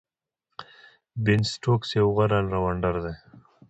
بین سټوکس یو غوره آل راونډر دئ.